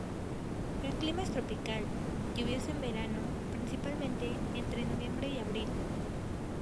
El clima es tropical, lluvioso en verano, principalmente entre noviembre y abril.